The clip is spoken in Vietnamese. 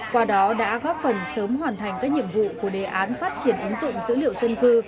qua đó đã góp phần sớm hoàn thành các nhiệm vụ của đề án phát triển ứng dụng dữ liệu dân cư